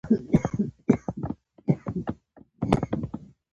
ډرامه له پخوا نه مشهوره ده